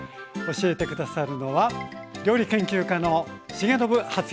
教えて下さるのは料理研究家の重信初江さんです。